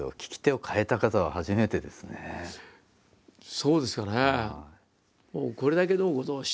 そうですかね。